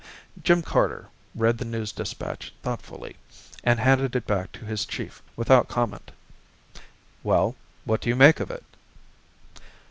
Jim Carter read the news dispatch thoughtfully and handed it back to his chief without comment. "Well, what do you make of it?"